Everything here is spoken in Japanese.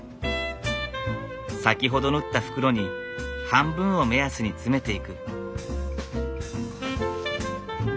先ほど縫った袋に半分を目安に詰めていく。